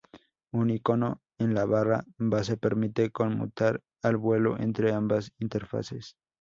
Un icono en la barra base permite conmutar al vuelo entre ambas interfaces.